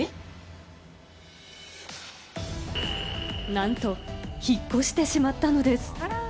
なんと引っ越してしまったのです。